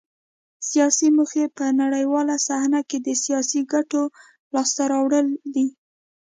سیاسي موخې په نړیواله صحنه کې د سیاسي ګټو لاسته راوړل دي